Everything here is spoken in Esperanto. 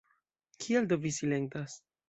Kial do vi silentas?